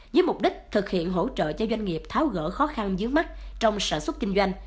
với mục đích thực hiện hỗ trợ cho doanh nghiệp tháo gỡ khó khăn dưới mắt trong sản xuất kinh doanh